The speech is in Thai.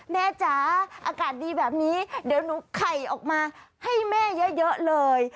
จ๋าอากาศดีแบบนี้เดี๋ยวหนูไข่ออกมาให้แม่เยอะเลย